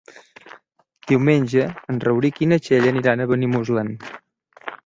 Diumenge en Rauric i na Txell aniran a Benimuslem.